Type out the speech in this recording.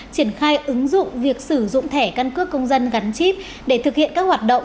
triển khai ứng dụng việc sử dụng thẻ căn cước công dân gắn chip để thực hiện các hoạt động